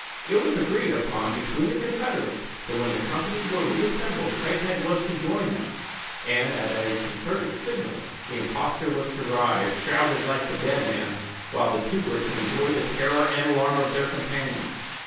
It was agreed upon between the confederates, that when the company were reassembled Craighead was to join them, and, at a concerted signal the impostor was to rise, shrouded like the dead man, while the two were to enjoy the terror and alarm of their companions.